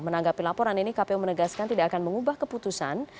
menanggapi laporan ini kpu menegaskan tidak akan mengubah keputusan